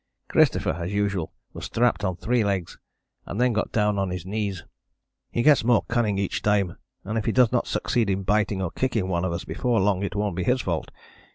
Christopher, as usual, was strapped on three legs and then got down on his knees. He gets more cunning each time, and if he does not succeed in biting or kicking one of us before long it won't be his fault.